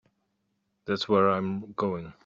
That's where I'm going.